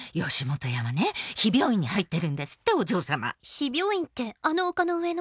「避病院ってあの丘の上の？」。